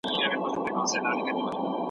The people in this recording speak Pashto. انا خپل لاسونه له ماشوم څخه لرې کړل.